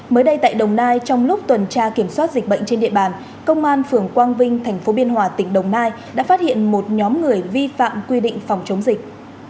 mới đây tại đồng nai trong lúc tuần tra kiểm soát dịch bệnh trên địa bàn công an phường quang vinh tp biên hòa tỉnh đồng nai đã phát hiện một nhóm người vi phạm quy định phòng chống dịch